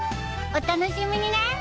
お楽しみにね。